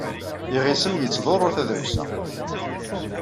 Iɣisem yettḍurru tadawsa.